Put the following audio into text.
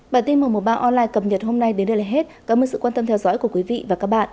bản tin mùa mùa ba online cập nhật hôm nay đến đây là hết cảm ơn sự quan tâm theo dõi của quý vị và các bạn